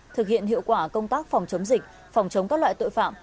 thực hiện hiệu quả công tác phòng chống dịch phòng chống các loại tội phạm